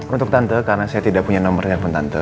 untuk tante karena saya tidak punya nomor handphone tante